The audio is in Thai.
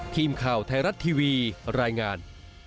ทีมข่าวไทยรัฐทีวีรายงาน